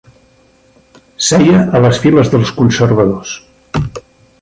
Seia a les files dels Conservadors.